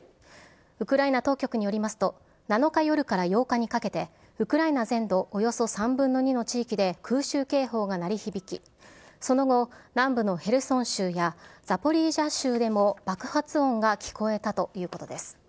ウクライナ当局によりますと、７日夜から８日にかけて、ウクライナ全土およそ３分の２の地域で空襲警報が鳴り響き、その後、南部のヘルソン州やザポリージャ州でも爆発音が聞こえたということです。